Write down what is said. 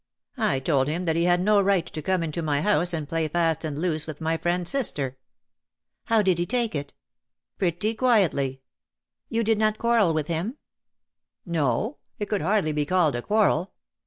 I told him that he had no right to come into my house and play fast and loose with my friend's sister." '' How did he take it ?"'' Pretty quietly." " You did not quarrel with him ?" CROWNED WITH SNAKE s/' 179 ^' Noj it could hardly be called a quarrel.